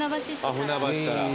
船橋から。